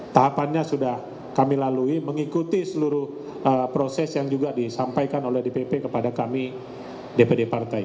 tahapannya sudah kami lalui mengikuti seluruh proses yang juga disampaikan oleh dpp kepada kami dpd partai